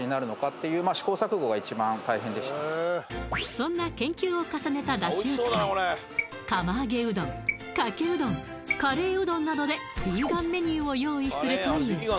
そんな研究を重ねただしを使い釜揚げうどんかけうどんカレーうどんなどでするという